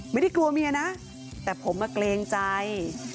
ไม่ได้กลัวเมียนะแต่ผมมาเกรงใจ